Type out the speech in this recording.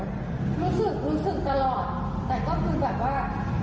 รู้สึกรู้สึกตลอดแต่ก็คือแบบว่า